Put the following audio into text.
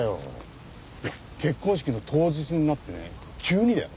結婚式の当日になってね急にだよ？